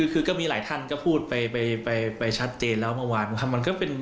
คือก็มีหลายท่านก็พูดไปชัดเจนแล้วเมื่อวาน